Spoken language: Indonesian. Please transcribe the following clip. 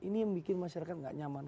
ini yang bikin masyarakat nggak nyaman